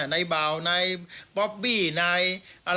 ไหนเบาไหนบอบบี้ไหน